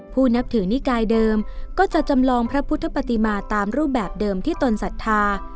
นับถือนิกายเดิมก็จะจำลองพระพุทธปฏิมาตามรูปแบบเดิมที่ตนศรัทธา